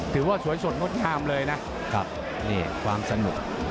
ถือว่าสวยสดงดงามเลยนะครับนี่ความสนุก